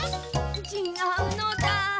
ちがうのだ。